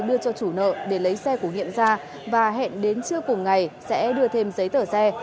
đưa cho chủ nợ để lấy xe của nhiệm ra và hẹn đến trưa cùng ngày sẽ đưa thêm giấy tờ xe